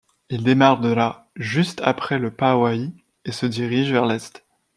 Il démarre de la ' juste après le Pauahi et se dirige vers l'est.